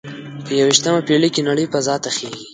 په یوویشتمه پیړۍ کې نړۍ فضا ته خیږي